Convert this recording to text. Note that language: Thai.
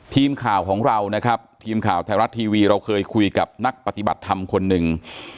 ทีมข่าวของเรานะครับทีมข่าวไทยรัฐทีวีเราเคยคุยกับนักปฏิบัติธรรมคนหนึ่ง